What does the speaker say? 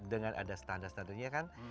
dengan ada standar standarnya kan